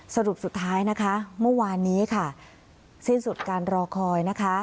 สรุปสุดท้ายนะคะเมื่อวานนี้ค่ะสิ้นสุดการรอคอยนะคะ